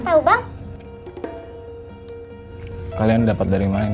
bang jangan dikemanain